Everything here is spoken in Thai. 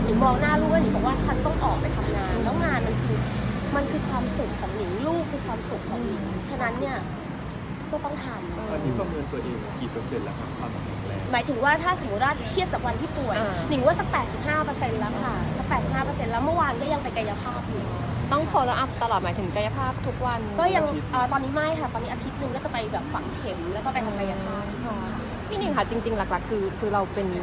หนิงมองหน้าร่วมหนิงบอกว่าฉันต้องออกไปทำงาน